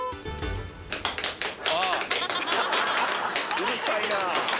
うるさいなぁ。